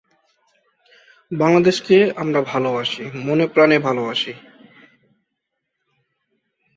বরাবরই আড়ং ছিল যুগপৎ পণ্য উৎপাদন ও পণ্য বিক্রয়ের স্থান।